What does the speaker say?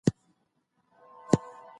کېدای شي کار ستونزمن وي.